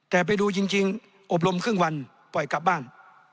แต่ไปดูจริงอบรมครึ่งวันปล่อยกลับบ้าน